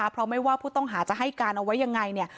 เพราะไม่ว่าผู้ต้องหาจะให้การเอาไว้อย่างไร